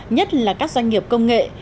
nhất là các doanh nghiệp công nghệ